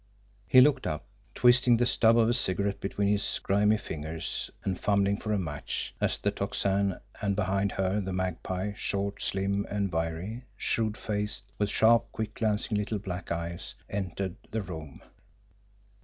He looked up, twisting the stub of a cigarette between his grimy fingers and fumbling for a match, as the Tocsin and, behind her, the Magpie, short, slim, and wiry, shrewd faced, with sharp, quick glancing little black eyes, entered the room.